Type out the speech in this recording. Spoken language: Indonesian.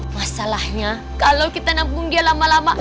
masalahnya kalau kita nabung dia lama lama